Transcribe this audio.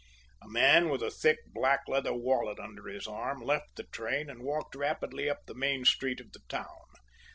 A man with a thick black leather wallet under his arm left the train and walked rapidly up the main street of the town.